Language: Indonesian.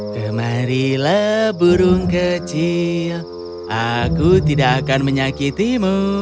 kemarilah burung kecil aku tidak akan menyakitimu